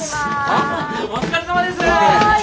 お疲れさまです。